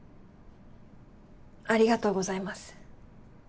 ありがとうございます。